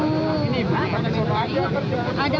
ada plastik nyangkut di kayunya